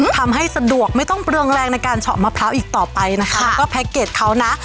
ทำให้สะดวกไม่ต้องเปลืองแรงในการเฉาะมะพร้าวอีกต่อไปนะคะก็แพ็คเกจเขานะ